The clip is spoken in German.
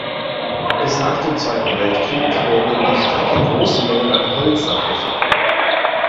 Bis nach dem Zweiten Weltkrieg wurden über die Strecke große Mengen an Holz abgefahren.